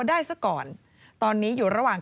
ได้ซะก่อนตอนนี้อยู่ระหว่าง